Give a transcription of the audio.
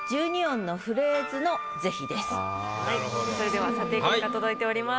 では査定結果届いております。